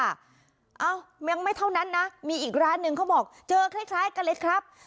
เอ้ายังไม่เท่านั้นนะมีอีกร้านหนึ่งเขาบอกเจอคล้ายกันเลยครับ